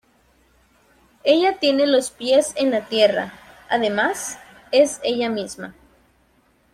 Ella tiene los pies en la tierra, además es ella misma.